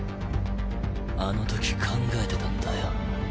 あの時考えてたんだよ。